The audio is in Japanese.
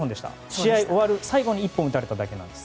試合終わる最後に１本打たれただけなんです。